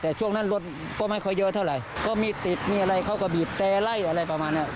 แต่ช่วงนั้นรถก็ไม่ค่อยเยอะเท่าไหร่ก็มีติดมีอะไรเขาก็บีบแต่ไล่อะไรประมาณเนี้ย